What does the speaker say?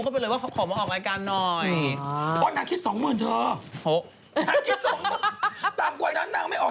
แล้วค่อนนั้นได้ทดใจออก